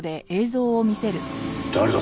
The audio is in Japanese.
誰だ？